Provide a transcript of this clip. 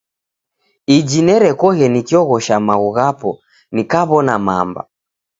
Iji nerekoghe nikioghosha maghu ghapo nikaw'ona mamba.